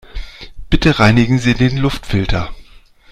Bitte reinigen Sie den Luftfilter.